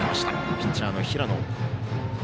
ピッチャーの平野。